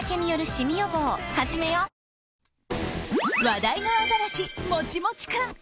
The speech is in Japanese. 話題のアザラシ、もちもち君。